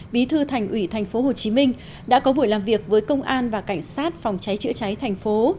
bí thư thành ủy tp hcm đã có buổi làm việc với công an và cảnh sát phòng cháy chữa cháy thành phố